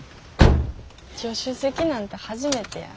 助手席なんて初めてや。